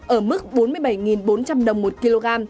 ở mức bốn mươi bảy bốn trăm linh đồng một kg